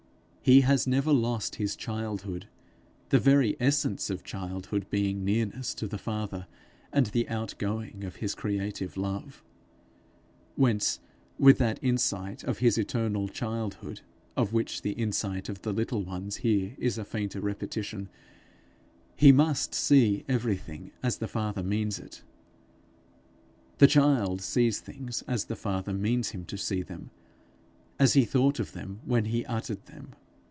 He has never lost his childhood, the very essence of childhood being nearness to the Father and the outgoing of his creative love; whence, with that insight of his eternal childhood of which the insight of the little ones here is a fainter repetition, he must see everything as the Father means it. The child sees things as the Father means him to see them, as he thought of them when he uttered them.